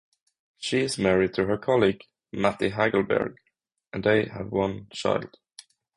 She is married to her colleague, Matti Hagelberg, and they have one child.